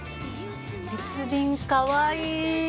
鉄瓶かわいい。